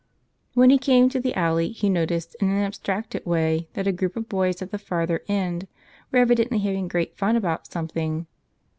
When he came to the alley, he noticed, in an abstracted way, that a group of boys at the farther end were evidently having great fun about something.